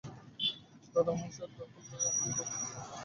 দাদা মহাশয়ের দখল লইয়া বিভা অতিশয় সতর্ক।